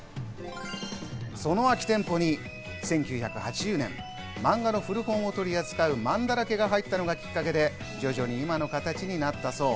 その空き店舗に１９８０年、マンガの古本を取り扱う、まんだらけが入ったのがきっかけで、徐々に今の形になったそう。